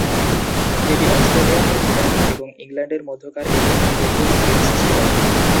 এটি Australia, New Zealand এবং ইংল্যান্ডের মধ্যকার একটি ত্রিদেশীয় সিরিজ ছিল।